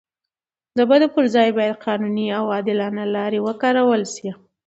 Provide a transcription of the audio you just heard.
د بدو پر ځای باید قانوني او عادلانه لارې وکارول سي.